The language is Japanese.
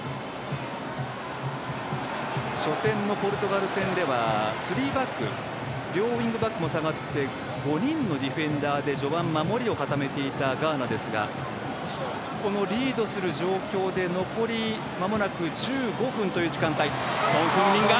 初戦のポルトガル戦ではスリーバック両ウィングバックも下がって５人のディフェンダーで序盤守りを固めていたガーナですがリードする状況で、残りまもなく１５分という時間帯。